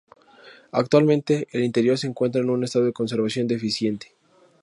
Actualmente, el interior se encuentra en un estado de conservación deficiente.